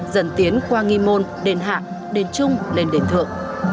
dần tiến qua nghi môn đền hạ đền trung lên đền thượng